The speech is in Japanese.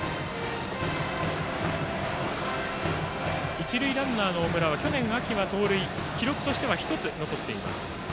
一塁ランナーの大村は去年秋、盗塁は記録としては１つ残っています。